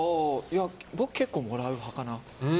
僕結構もらう派かな。